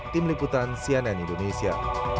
tim liputan cnn indonesia